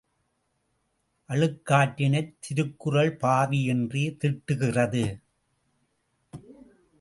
அழுக்காற்றினைத் திருக்குறள் பாவி என்றே திட்டுகிறது.